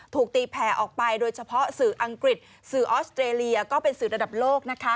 ถูกตีแผ่ออกไปโดยเฉพาะสื่ออังกฤษสื่อออสเตรเลียก็เป็นสื่อระดับโลกนะคะ